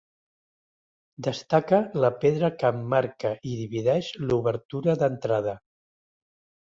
Destaca la pedra que emmarca i divideix l'obertura d'entrada.